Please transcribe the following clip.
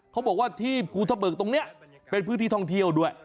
เขาบอกว่าที่ภูทะเบิกตรงนี้เป็นพื้นที่ท่องเที่ยวด้วย